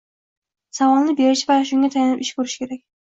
savolni berishi va shunga tayanib ish ko‘rishi kerak.